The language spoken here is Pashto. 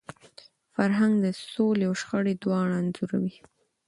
فرهنګ د سولي او شخړي دواړه انځوروي.